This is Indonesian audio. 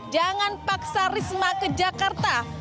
jangan paksa risma ke jakarta